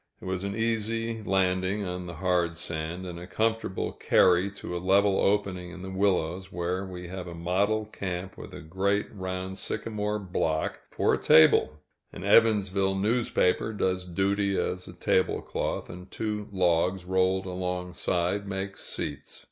It was an easy landing on the hard sand, and a comfortable carry to a level opening in the willows, where we have a model camp with a great round sycamore block for a table; an Evansville newspaper does duty as a tablecloth, and two logs rolled alongside make seats.